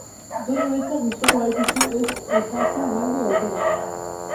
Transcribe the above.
Doinu beltzak gustoko badituzu, ez ezazu galdu aukera!